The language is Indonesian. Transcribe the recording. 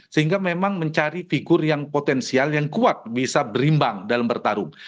sehingga memang mencari figur yang potensial yang kuat bisa berimbang dalam bertarung